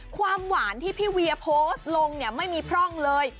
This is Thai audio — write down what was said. ความหวานที่พี่เวียโพสต์ลงเนี่ยไม่มีพร่องเลย